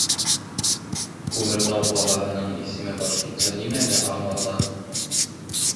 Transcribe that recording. Күмертау ҡалаһының исеме башҡортса нимәне аңлата?